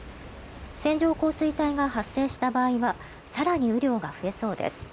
線状降水帯が発生した場合は更に雨量が増えそうです。